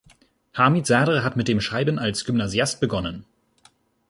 Hamid Sadr hat mit dem Schreiben als Gymnasiast begonnen.